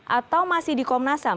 atau masih di komnasam